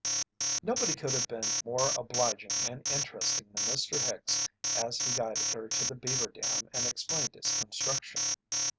Nobody could have been more obliging and interesting than Mr. Hicks as he guided her to the beaver dam and explained its construction.